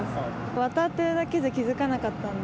渡っているだけじゃ気付かなかったんで。